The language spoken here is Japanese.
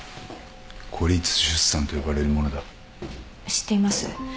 知っています。